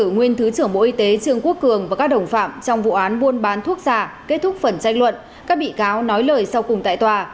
nguyên thứ trưởng bộ y tế trương quốc cường và các đồng phạm trong vụ án buôn bán thuốc giả kết thúc phần tranh luận các bị cáo nói lời sau cùng tại tòa